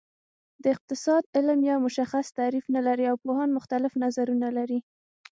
د اقتصاد علم یو مشخص تعریف نلري او پوهان مختلف نظرونه لري